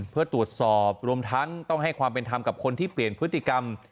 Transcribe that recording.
เพื่อตรวจสอบรวมทั้งต้องให้ความเป็นธรรมกับคนที่เปลี่ยนพฤติกรรม